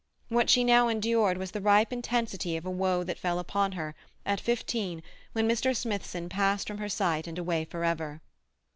What she now endured was the ripe intensity of a woe that fell upon her, at fifteen, when Mr. Smithson passed from her sight and away for ever.